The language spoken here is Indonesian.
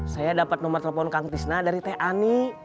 saya dapat nomer telepon kang tisna dari t ani